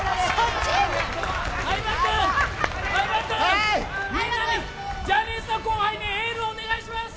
相葉君、みんなに、ジャニーズの後輩にエールをお願いします！